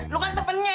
lo kan tepennya